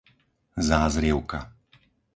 Zázrivka